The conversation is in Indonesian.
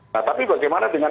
nah tapi bagaimana dengan